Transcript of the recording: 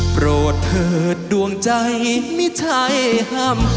โปรดเถิดดวงใจมิจารณ์ของคุณ